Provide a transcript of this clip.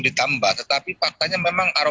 ditambah tetapi faktanya memang